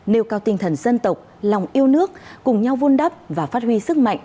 nêu cao tinh thần dân tộc lòng yêu nước cùng nhau vun đắp và phát huy sức mạnh